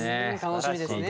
楽しみですね。